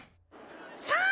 さあ